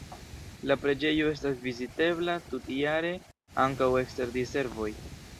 La preĝejo estas vizitebla tutjare, ankaŭ ekster diservoj.